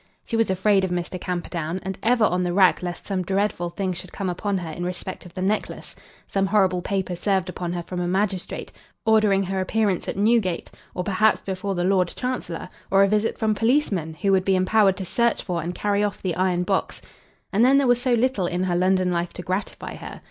She was afraid of Mr. Camperdown, and ever on the rack lest some dreadful thing should come upon her in respect of the necklace, some horrible paper served upon her from a magistrate, ordering her appearance at Newgate, or perhaps before the Lord Chancellor, or a visit from policemen, who would be empowered to search for and carry off the iron box. And then there was so little in her London life to gratify her!